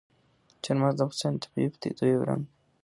چار مغز د افغانستان د طبیعي پدیدو یو رنګ دی.